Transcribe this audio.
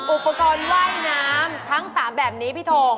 อุปกรณ์ว่ายน้ำทั้ง๓แบบนี้พี่ทง